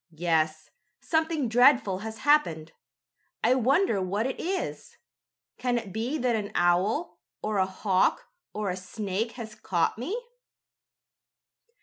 "Yes, something dreadful has happened. I wonder what it is. Can it be that an owl, or a hawk or a snake has caught me?"